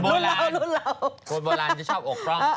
คนโบราณคนโบราณจะชอบอกร่อง